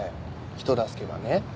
人助けがね。